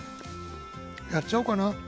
やっちゃおうかな。